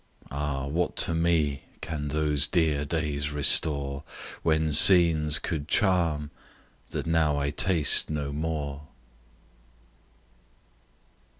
Ah, what to me can those dear days restore, When scenes could charm that now I taste no more!